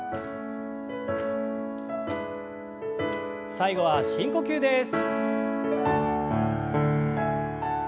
最後は深呼吸です。